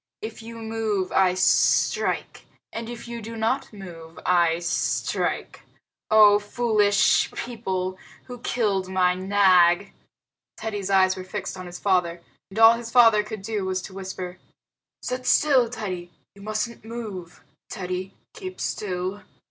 If you move I strike, and if you do not move I strike. Oh, foolish people, who killed my Nag!" Teddy's eyes were fixed on his father, and all his father could do was to whisper, "Sit still, Teddy. You mustn't move. Teddy, keep still."